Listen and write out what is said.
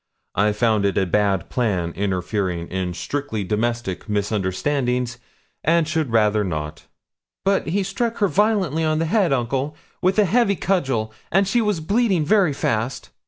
I've found it a bad plan interfering in strictly domestic misunderstandings, and should rather not.' 'But he struck her violently on the head, uncle, with a heavy cudgel, and she was bleeding very fast.'